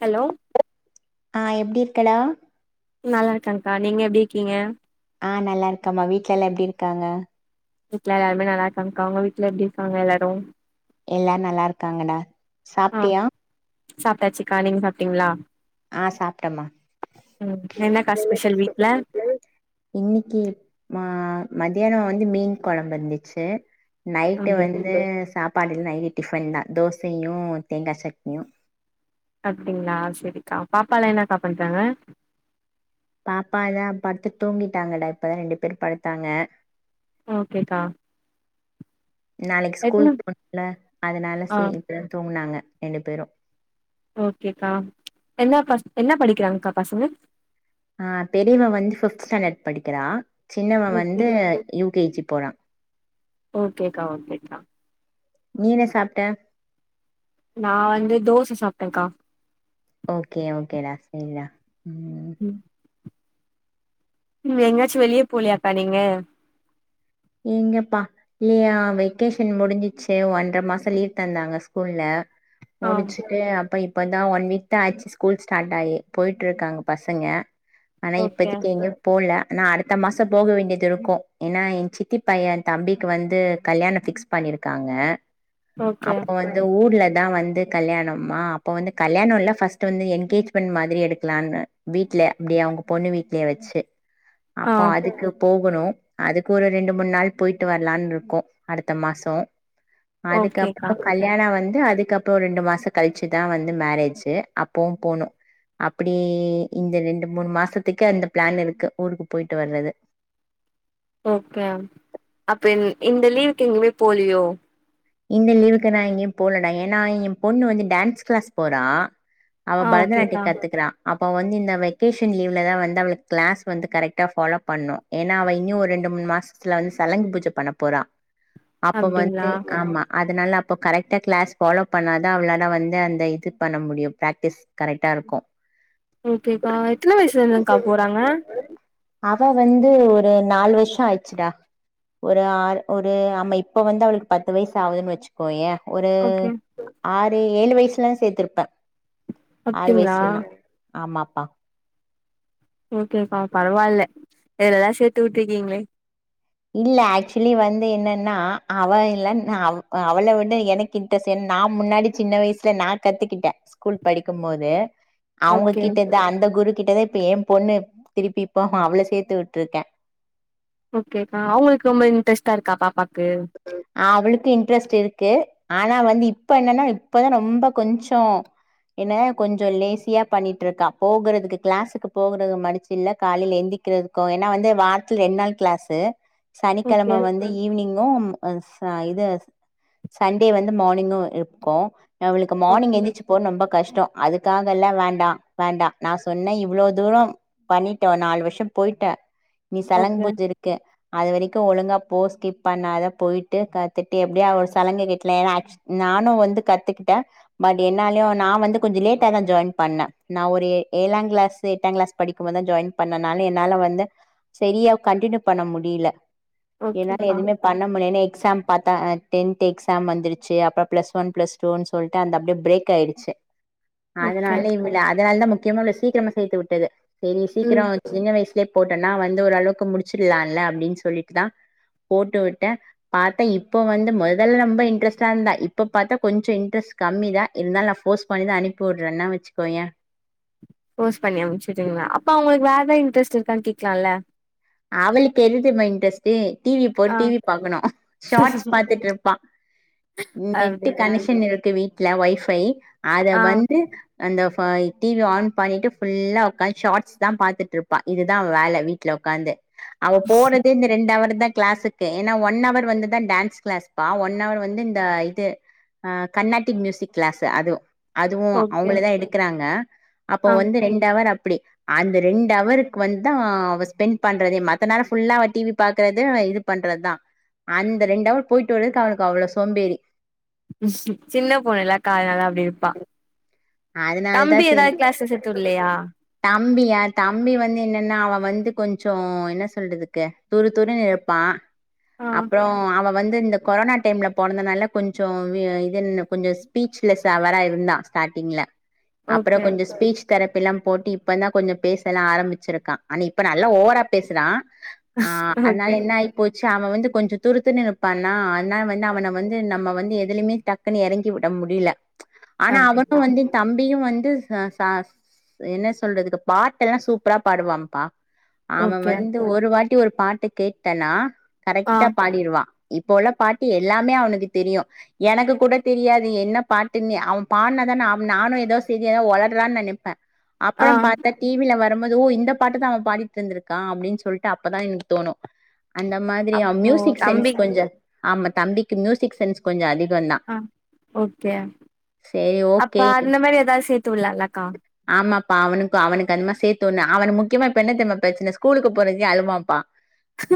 Hello ஆ எப்டி இருக்களா நல்லா இருக்கேங்கா நீங்க எப்டி இருக்கீங்க ஆ நல்லா இருக்கமா வீட்ல எல்லாம் எப்டி இருக்காங்க வீட்ல எல்லாருமே நல்லா இருக்காங்கா வீட்ல எப்டி இருக்காங்க எல்லாரும் எல்லாரு நல்லா இருக்காங்கடா ஆ சாப்ட்டியா சாப்ட்டாச்சுக்கா நீங்க சாப்ட்டீங்களா ஆ சாப்ட்டமா ம் என்னக்கா ஸ்பெஷல் வீட்ல இன்னைக்கி நா ம மத்தியானம் வந்து மீன் குழம்பு வந்துச்சு நைட்டு அப்டி வந்து சாப்பாடு நைட் டிஃபன் தா தோசையும் தேங்காய் சட்னியும் அப்டிங்களா செரிக்கா பாப்பாலா என்னக்கா பண்றாங்க பாப்பாதா படுத்து தூங்கிட்டாங்கடா இப்பதா ரெண்டு பேர் படுத்தாங்க ஓகேக்கா நாளைக்கு ஸ்கூல் எத்தன போண்ணுல அதனால ஆ செய் இப்பதா துங்கினாங்க ரெண்டு பேரும் ஓகேக்கா என்ன பச என்ன படிக்கிறாங்கக்கா பசங்க ஆ பெரியவ வந்து பிப்த் ஸ்டாண்டர்ட் படிக்கிறா சின்னவ ஓகே வந்து யூ கே ஜி போற ஓகேக்கா ஓகேக்கா நீ என்ன சாப்ட்ட நா வந்து தோச சாப்ட்டேக்கா ஓகே ஓகேடா செரிடா ம் எங்கயாச்சு வெளியே போலயாக்கா நீங்க எங்கப்பா இல்லையா வெக்கேஷன் முடிஞ்சிச்சு ஒன்றர மாசம் லீவ் தந்தாங்க ஸ்கூல்ல ஆ ஓனிச்சுட்டு அப்ப இப்ப இப்போதா ஒன் வீக் தா ஆச்சு ஸ்கூல் ஸ்டார்ட் ஆகி போயிட்டு இருக்காங்க பசங்க ஆனா ஓகே இப்பதக்கு எங்க போல ஆனா அடுத்த மாசம் போக வேண்டியது இருக்கும் ஏன்னா ஏன்‌ சித்தி பைய தம்பிக்கு வந்து கல்யாணம் ஃபிக்ஸ் பண்ணிருக்காங்க ஓகே அப்ப வந்து ஊர்ல தா வந்து கல்யாணம்மா அப்ப வந்து கல்யாணம்ல்ல ஃபர்ஸ்ட் வந்து என்கேஜ்மெண்ட் மாதிரி எடுக்கலான்னு வீட்டுல அப்படி அவங்க பொண்ணு வீடலயே வச்சு ஆ அப்போ அதுக்கு போகணு அதுக்கு ஒரு ரெண்டு மூணு நாள் போயிட்டு வரலான்னு இருக்கோம் அடுத்த மாசம் ஓகேக்கா அதுக்கப்பறம் கல்யாணம் வந்து அதுக்கு அதுக்கப்ப ரெண்டு மாச கழிச்சுதா வந்து மேரேஜு அப்பவு போனு அப்பிடி இந்த ரெண்டு மூணு மாசத்துக்கு அந்த பிளான் இருக்கு ஊருக்கு போயிட்டு வர்றது ஓகே அப்ப இந் இந்த லீவுக்கு எங்கமே போலியோ இந்த லீவுக்கு நா எங்கயு போலடா ஏன்னா எம் பொண்ணு வந்து டான்ஸ் கிளாஸ் போறா அவ ஆ பரதநாட்டிய ஓகேக்கா கத்துக்றா அப்ப வந்து இந்த வெக்கேஷன் லீவ்லதா வந்து அவளுக்கு கிளாஸ் வந்து கரெக்டா ஃபாலோ பண்ணு ஏன்னா அவ இன்னி ஒரு ரெண்டு மூணு மாசத்துல வந்து சலங்கு பூஜை பண்ண போறா அப்ப வந்து அப்டிங்ளா ஆமா அதனால அப்ப கரெக்டா கிளாஸ் ஃபாலோ பண்ணாதா அவளால வந்து அந்த இது பண்ண முடியு பிராக்டிஸ் கரெக்டா இருக்கு ஓகேக்கா எத்தன வயசுல இருந்துங்க்கா போறாங்க அவ வந்து ஒரு நாலு வருஷ ஆயிடுச்சுடா ஒரு ஆ ஒரு ஆம இப்ப வந்து அவளுக்கு பத்து வயசு ஆகுதுனு வெச்சுக்கோயே ஒரு ஓகே ஆற் அத ஏழு வயசுலா சேத்திருப்ப ஆறு அப்டிங்களா வயசுலனா ஆமாப்பா ஓகேக்கா பரவால்ல [unintelligible] சேர்த்து விட்டு இருக்கீங்களே இல்ல ஆக்சுவலி வந்து என்னன்னா அவன் இல்ல அவள விட எனக்கு இன்ட்ரெஸ்ட் நா முன்னாடி சின்ன வயசுல நா கத்துக்கிட்டே ஸ்கூல் படிக்கூ போது அவுங்க ஓகே கிட்டதா அந்த குரு கிட்டத இப்ப ஏன் பொண்ணு திருப்பி இப்போ அவள சேத்து விட்டுருக்கே ஓகேப்பா அவுங்களுக்கு ரொம்ப இன்ட்ரெஸ்டா இருக்கா பாப்பா அ அவுளுக்கு இன்ட்ரெஸ்ட் இருக்கு ஆனா வந்து இப்ப என்னன்னா இப்பதா ரொம்ப கொஞ்சோ என்ன கொஞ்சோ லேசியா பண்ணிட்டு இருக்கா போகறிறதுக்கு கிளாஸுக்கு போகறது மடிச்சு இல்ல காலைல எந்திக்கிறதுக்கொ ஏன்னா வந்து வாரத்துல ரெண்டு நாள் கிளாஸு சனிக்கெழம ஓகே வந்து ஈவ்னிங் இது சண்டே வந்து மார்னிங்கூ இருக்கூ அவளுக்கு மார்னிங் ஓகே எந்திச்சி ரொம்ப கஷ்டோ அதுக்காகல்ல வேண்டா வேண்டா நா சொன்னே இவ்ளோ தூரோ பண்ணிட்ட நாலு வருஷம் போயிட்ட நீ சலங்கு ஓகே பூஜ இருக்க அது வரைக்கூ ஒழுங்கா போ ஸ்கிப் பண்ணாத போயிட்டு கத்துட்டு எப்டியா ஒரு சலங்க கட்ல நானு வந்து கத்துக்கிட்டே பட் என்னாலயு நா வந்து கொஞ்சோ லேட்டா தா ஜாயின் பண்ணே நா ஒரு ஏ ஏழா கிளாஸ் எட்டா கிளாஸ் படிக்கும்போதுதா ஜாயின் பண்ணேனு என்னால வந்து செரியா கண்டின்யு பண்ண முடில ஓகேக்கா முன்னே எக்ஸாம் ப்த்தா டென்த் எக்ஸாம் வந்துருச்சு அப்பறோ பிளஸ் ஒன் பிளஸ் டூன்னு சொல்லிட்டு அந்த அப்டியே பிரேக் ஆயிடுச்சு ஓகே அதனால இவல அதனால்தா முக்கியமா சி சிக்கரம செத்து விட்டது செரி ம் சிக்கரமா சின்ன வயசுலயே போட்டனா வந்து ஓரளவுக்கு முடிச்சிடலால அப்டின்னு சொல்லி தா போட்டு வி டன் பாத்தே இப்ப வந்து முதல்ல ரொம்ப இன்ட்ரெஸ்டா இருந்தன் இப்ப பார்த்தா கொஞ்சோ இன்ட்ரெஸ்ட் கம்மி தான் இருந்தாலும் நா போர்ஸ் பண்ணிதா அனுப்புடுறேன்ன்னா வச்சுக்கோயேன் ஃபோர்ஸ் பண்ணி அம்ச்சுட்ரிங்க அப்ப அவங்களுக்கு வேற இன்ட்ரெஸ்ட் இருக்கான்னு கேக்க்கலாம்ல அவளுக்கு எது தெரியுமா இன்ட்ரெஸ்ட்டு டி. வி போட் ஆ டிவி பாக்கணும் ஷாட்ஸ் பாத்துட்டு இருப்பா நெட்டு அப்டிங்களா கனெக்ஷன் இருக்கு வீட் ல வைஃபை அத ஆ வந்து அந்த இப்ப டி. வி ஆன் பண்ணிட்டு ஃபுல்லா உடக்காந்து ஷாட்ஸ் தான் பார்த்துட்டுருப்பா இதுதா வேல வீட்டில உட் காந்து அவ போனது இந்த ரெண்டவர் தா கிளாஸுக்கு ஏன்னா ஒன் அவர் வந்துதான் டான்ஸ் கிளாஸ் பா ஒன் அவர் வந்து இந்த இது ஆ கர்நாட்டிக் மியூசிக் கிளாஸ் அதுவு அதுவு ஓகே அவங்களே தா எடுக்கிறாங்க அப்போ ஆ வந்து ரெண்டவர் அப்டி அந்த ரெண்டு அவருக்கு வந்து தான் அவ ஸ்பெண்ட் பண்றதே மத்த நேரம் ஃபுல்லா அவ டி. வி பாக்குறது இது பண்றதுதா அந்த ரெண்டவர் போயிட்டு வரதுக்கு அவளுக்கு அவ்வளவு சோம்பேறி சின்ன பொண்ணுல்லக்கா அதுனால அப்டி இருப்பா அதனாலதா தம்பி சரி எதாத் கிளாஸ்ல சேத்துட்லையா தம்பியா தம்பி வந்து என்னன்னா அவ வந்து கொஞ்சோ என்ன சொல்றதுக்கு துரு துருன் இருப்பா ஆ அப்புறோ அவ வந்து இந்த கொரோனா டைம்ல பொறந்தனால கொஞ்சோ வி இது என்ன கொஞ்ச ஸ்பீச்லெஸ்ஸா வெற இருந்தா ஸ்டாட் டிங்ள அப்புறோ ஓகே கொஞ்சு ஸ்பீச் தெரப்பிலா போட்டு இப்பனா கொஞ்சோ பேசலா ஆரம்பிச்சிருக்கா ஆன இப்ப நல்வா ஓவரா பேசுறா அ ஓகே அத்னால என்ன ஆய் போ சோ அவ வந்து கொஞ்சு துருத்துன் இருப்பானா னா வந்து அவன வந்து நம்ம வந்து எதுலிமே டக்குன் எறங்கி உட முடில ஆனா அவ து அப்டிங்களா வந்து தம் பியு வந்து ச ச என்ன சொல்றதுக்கு பாட்டெல்லா சூப்பரா பாடுவான்ப்பா அவ ஓகே வந்து ஒரு வாட் டி ஒரு பாட்ட கேட்டனா ஆ கரெக்டா பாடிடுவா இப்போ உள்ள பாட்டு எல்லாமே அவனுக்கு தெரியு எனக்கு கூட தெரியாது என்ன பாட்டுன்னு அவ் பாட் னா நாம் நானு எதோ செரி எதோ ஒலர்ரான் நெனைப்பே ஆ அப்பறம் பாத்தா டிவில வர நம் எதுோ இந்த பாட்டத்தா அவ பாடிட்ருந்திருக்கா அப்டின் சொல்ட்டு அப்பதா எனுக் தோனோ அந்த மாதிரி அவ் அப்போ மியூசிக் சென்ஸ் தம்பி கொஞ்சோ ஆமா தம்பிக்கு மியூசிக் சென்ஸ் கொஞ்சோ அதி அ ஒகே சேரி அப் சோ ஓகே அந்த மாரி எதாத் சேத்து விட்லாலக்கா ஆமாப்பா அவனுக்கு அவனுக்கு அந்தமா சேத்து ஒன்னு அவன முக்யமா இப்ப என்னத்தெம்மா ப்ரெச்சன ஸ்கூலுக்கு போறதியே அலுவாம்பா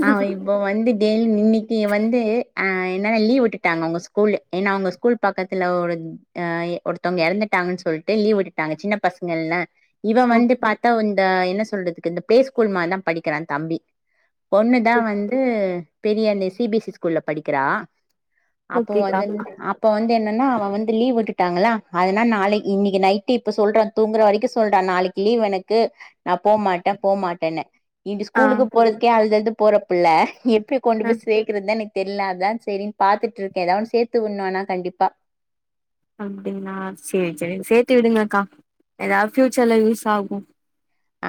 அ இப்போ வந்து டெய்ல் இன்னிக்கி வந்து அ என்னன்னா லீவ் உட்டுட்டாங்க அவுங்க ஸ்கூலு ஏன்னா அவுங்க ஸ்கூல் பக்கத்துல ஒரு அ எ ஒருத்தங்க எறந்துட்டாங்கன் சொல்ட்டு லீவ் விட்டுட் டாங்க சின்ன பசங்கள்ல இவ ஓ வந்து பாத்தாவ் இந்த என்ன சொல்றதுக்கு இந்த பே ஸ்கூல் மா தா படிக்கிறா தம்பி பொண்ணுதா ஓ வந்து பெரியண்ணே சி பி எஸ் சி ஸ்கூல்ல படிக்கெறா அப்ப ஓகேக்கா வந்து அப்ப வந்து என்ன ன அவ வந்து லீவ் விட்டுட்டாங்களா அதனா நாளை இன்னக்கி நை ட்டு இப்ப சொல்ற தூங்குற வரைக்கு சொல்றா நாளக்கி லீவு எனக்கு நா போ மாட்ட போ மாட்டன்னு ஏன்டி ஆ ஸ்கூலுக்கு போறதுக்கே அழ்து அழ்து போறப் புள்ள கு கொண்டு ஆ போய் சேக்கறத்தா எனக் தெர்ல அதா சேரின் பாத்துட்ருக்கே ஏதாவ் ஒன்னு சேத்து உண்ணோ ஆனா கண்டிப்பா அப்டின்னா சேர் சேரி சேத்து விடுங்கக்கா ஏதாவ் ஃப்யூச்சர்ல யூஸ்ஸாகு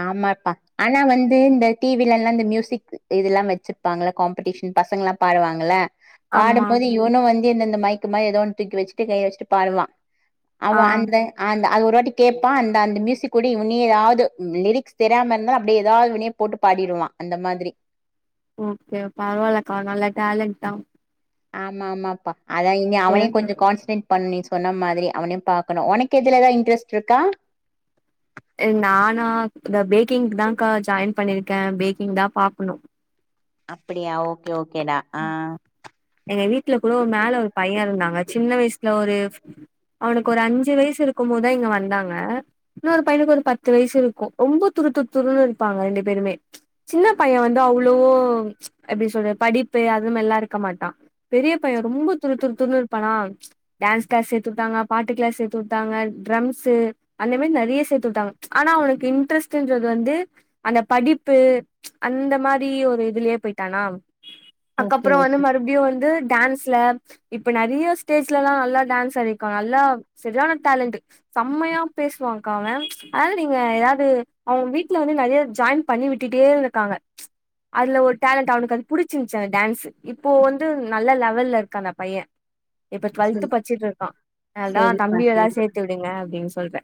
ஆமாப்பா ஆனா வந்து இந்த டிவிலல்லா இந்த ம்யூசிக் இதுல்லா வெச்சிருப்பாங்கள காம்படீஷன் பசங்கல்லா பாடுவாங்கல்ல ஆமா பாடம்போது இவனு வந் ந்து என்ன இந்த மைக்கு மாரி ஏதோ ஒன்னு தூக்கி வெச்சிக்ட்டு கை வெச்சிட்டு பாடுவா அவ ஆ அந்த அந்த அது ஒரு வாட்டி கேப்பா அந்த அந்த ம்யூசிக் கூட இவனி ஏதாவ்து லிரிக்ஸ் தெர்யாம இருந்தாலு அப்டியே ஏதாவ்து இவ்னே போட்டு பாடிருவா அந்த மாதிரி ஓகே பரவாலக்கா நல்லா டேலண்ட் தா ஆமா ஆமாப்பா அதா இனி அவனே கொஞ்சொ கான்ஸ்னேட் பண்ணி சொன்ன மாதிரி அவனே பாக்கணு ஒனக்கு இதுலல்லா இன்ட்ரஸ்ட்ருக்கா நானா இந்த பேக்கிங்க்குதாங்க்கா ஜாயின் பண்ணிருக்க பேக்கிங் தா பாக்குணு அப்டியா ஓகே ஓ எங்க வீட்ல கூடோ மேல ஒரு பைய்ய இருந்தாங்க சின்ன வயஸ்ல ஒரு அவனுக்கு ஒரு அஞ்சு வைசு இருக்கம் போத்தா இங்க வந்தாங்க இன்னொரு பையனுக்கு ஒரு பத்து வைசு இருக்கு ரொம்போ துருத்து துருனு இருப்பாங்க ரெண்டு பேருமே சின்னப் பைய வந்து அவ்ளோ எப்டி சொல்ற படிப் பு அது மேர்லா இருக்க மாட்டா பெரிய பைய ரொம்ப துரு துரு துர்னு இருப்பானா டேன்ஸ் க்ளாஸ் சேத்து உட்டாங்க பாட்டு க்ளாஸ் சேத்து உட்டாங்க ட்ரம்ஸு அந்த மேரி நறைய சேத்து உட்டாங் ஆனா அவனக்கு இன்ட்ரெஸ்ட்டுன்றது வந்து அந்த படிப்பு அந்த மாரி ஒரு இதுலயே போயிட்டானா ஓகே அக்கப்றொ வந்து ஓகே மறுப்டியு வந்து டான்ஸ் ல இப்ப நறைய ஸ்டேஜ்லல்லா நல்லா டான்ஸ் [unintelligible] நல்லா செரியான டேலண்ட்டு சம்மையா பேசுவாங்க்கா அவ அதாவ்து நீங்க ஏதாவ்து அவ வீட்ல வந்து நறைய ஜாயின் பண்ணி விட்டுட்டே இருந்த்ருக்காங்க அதுல ஒரு டேலண்ட் அவனுக்கு அது புடிச்சிருந் ச்சி அந்த டான்ஸு இப்போ வந்து நல்ல லெவல்ல இருக்கா அந்த பைய இப்ப சரி டுவெல்த்து பச்சிட்ருக்கா அதுதா சரிப்பா தம்பியதா சரி சேத்து விடுங்க அப்டின் சொல்ற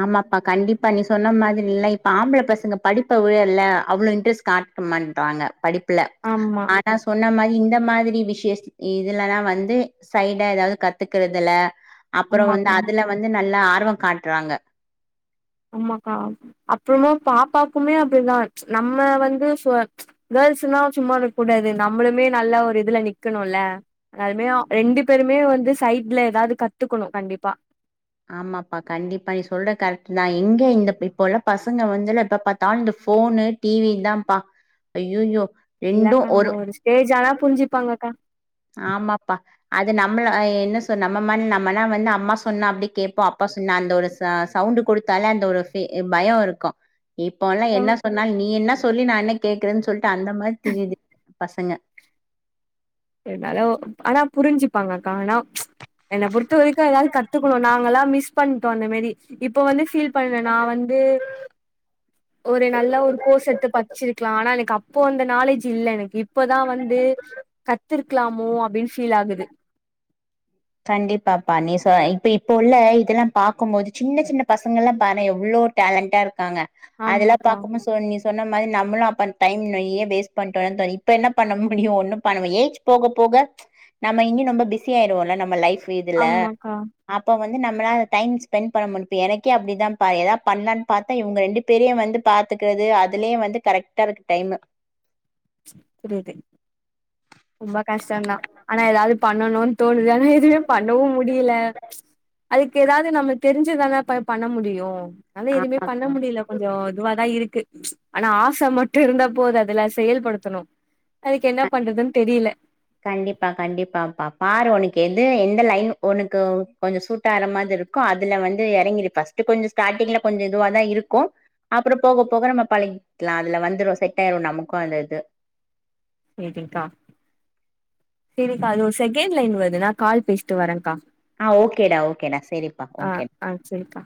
ஆமாப்பா கண்டிப்பா நீ சொன்ன மாதிரில்லா இப்ப ஆம்ப்ள பசங்க படிப்ப விட இல்ல அவ்ளோ இன்ட்ரெஸ்ட் காட்ட மாட்றாங்க படிப் ப்ல ஆமா ஆனா சொன்னா மா ரி இந்த மாதிரி விஷேஷ்த் இதுலல்லா வந்தே சைடா எதாவ்து கத்துக்குறதுல அப்பறொ வந்து ஆமாக்கா அதுல வந்து நல்லா ஆ ர்வொ காட் றாங்க ஆமாக்கா அப்றமா பாப்பாக்குமே அப்டிதா நம்ம வந்து ஃபொ கேர்ள்ஸுன்னா சும்மானுக் கூடாது நம்பளுமே நல்லா ஒரு இதுல நிக்கணுல்ல அனாலுமே அ ரெண்டு பேருமே வந்து சைட்ல ஏதாவ்து கத்துக்கொணு கண்டிப்பா ஆமாப்பா கண்டிப்பா நீ சொல்ற கரெக்ட்டுதா எங்க இந்தப் இப்போல்லா பசங்க வந்துல எப்பப் பாத்தாலு இந்த ஃபோனு டிவி தாம்ப்பா ஐயோயோ இல்லக்கா ஒரு ஸ்டேஜ் ஆனா புரிஞ்சிப்பாங்க அக்கா ஆமாப்பா அது நம்மள என்ன சொ நம்ம நம்மனா வந்து அம்மா சொன்னா அப்படி கேட்போம் அப்பா சொன்னா அந்த ஒரு ச சவுண்ட் கொடுத்தாலே அந்த ஒரு பயம் இருக்கும் இப்போல்லாம் என்ன சொன்னா நீ என்ன சொல்லி நான் என்னக் கேக்கரன்னு சொல்லி அந்த மாதிரி தெரியுது பசங்க ஆனா புரிஞ்சுப்பாங்க ஆனா ப்ச் என்னை பொறுத்த வரைக்கும் ஏதாவது கத்துக்கணும் நாங்கலாம் மிஸ் [unintelligible] இப்ப வந்து ஃபீல் பண்றேன் நான் வந்து ஒரு நல்ல ஒரு கோர்ஸ் எத்து படிச்சிருக்கலா ஆனா அப்ப அந்த நாலெஜ் இல்ல எனக்கு இப்பதான் வந்து படிச்சிருக்கலாமோ அப்படின்னு ஃபீல் ஆகுது கண்டிப்பாப்பா நீ இப்ப இப்ப உள்ள இதெல்லாம் பார்க்கும்போது சின்ன சின்ன பசங்கள் எல்லாம் பாறேன் எவ்வளவு டேலண்டா இரு இருக்காங்க அதெல்லாம் ஆமாக்கா பார்க்கும் போது சொன்ன மாதிரி நம்மளும் அப்ப டைம் நெறய வேஸ்ட் பண்ணிட்டோம் இப்ப என்ன பண்ண முடியும் ஒன்னும் பண்ணி முடியாது ஏஜ் போக போக நம்ம இன்னும் ரொம்ப பிஸி ஆயிரோம்ல நம்ம நம்ம லைஃப் இதுல ஆமாக்கா அப்ப வந்து வந்து நம்மளால டைம் ஸ்பெண்ட் பண்ண முடிது எனக்கே அப்டிதான்பா எதா பண்ணலான்னு பார்த்தா இவங்க ரெண்டு பேரையும் வந்து பாத்துக்கறது அதுலயே வந்து கரெக்ட்டா இருக்கு டைமு புரிது பண்ணணும்னு தோணுது ஆனா எதுமே பண்ணவும் முடியல ப்ச் அதுக்கு ஏதாவது நம்ம தெரிஞ்சுதானே பண்ண முடியும் அத எதுவுமே பண்ண ஆமாக்கா முடியல கொஞ்சம் இதுவாதான் இருக்கு ஆனா ஆச மட்டு இருந்தா போதாதுல செயல்படுத்தணும் அதுக்கு என்ன பண்றது தெரியல கண்டிப்பா கண்டிப்பாப்பா பாரு உனக்கு எது எந்த லைன் உனக்கு கொஞ்சோ சூட் ஆற மாரி இருக்கோ அதுல வந்து எறங்கிறு ஃபஸ்ட்டு கொஞ்சோ ஸ்டார்ட்டிங்ல கொஞ்சோ இதுவ தா இருக்கும் அப்பறோ போக போக நம்ம பழகிக்கலா அதுல வந்துரு செட் ஆயிரு நமக்கு அந்த இது சேரிங்க்கா சேரிக்கா அது ஒரு செகண்ட் லைன் வருதுனா கால் பேசிட்டு வரேக்கா ஆஹ் ஓகேடா ஓகேடா சேரிப்பா ஆ ஓகே ஆ சரிக்கா